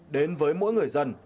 đến với mỗi người dân